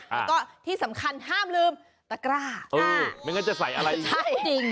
แล้วก็ที่สำคัญห้ามลืมตะกร้าเออไม่งั้นจะใส่อะไรใช่จริง